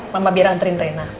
mama biar nganterin rena